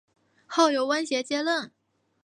后由翁楷接任。